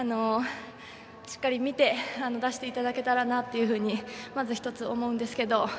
しっかり見て出していただけたらなとまず１つ、思うんですけど。